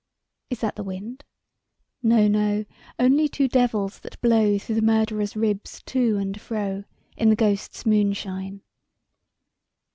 Is that the wind ? No, no ; Only two devils, that blow Through the murderer's ribs to and fro. In the ghosts' moonshine.